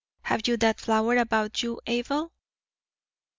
Have you that flower about you, Abel?"